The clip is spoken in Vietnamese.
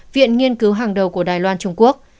viện nghiên cứu hàng đầu của đài loan trung quốc